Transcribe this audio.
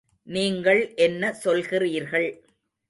நீங்கள் என்ன சொல்கிறீர்கள்.